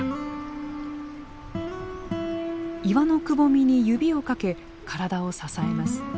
岩のくぼみに指をかけ体を支えます。